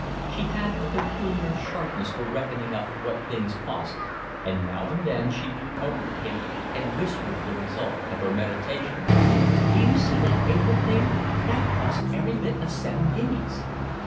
She had a peculiar sharpness for reckoning up what things cost, and now and then she leaned over to him and whispered the result of her meditations. "D'you see that aigrette there? That cost every bit of seven guineas."